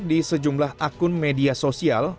di sejumlah akun media sosial